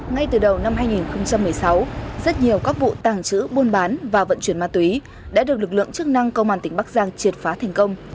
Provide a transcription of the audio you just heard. ngay từ đầu năm hai nghìn một mươi sáu rất nhiều các vụ tàng trữ buôn bán và vận chuyển ma túy đã được lực lượng chức năng công an tỉnh bắc giang triệt phá thành công